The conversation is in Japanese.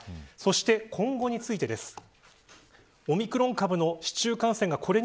そして、今後についてです。